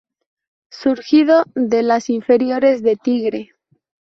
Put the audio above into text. Surgido de las inferiores de Tigre.